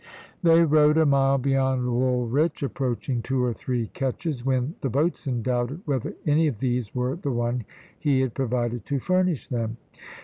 They rowed a mile beyond Woolwich, approaching two or three ketches, when the boatswain doubted whether any of these were the one he had provided to furnish them.